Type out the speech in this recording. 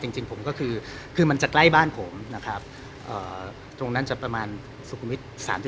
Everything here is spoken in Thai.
จริงผมจะใกล้บ้านผมตรงนั้นจะประมาณสุขุมิต๓๓